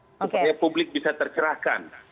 supaya publik bisa tercerahkan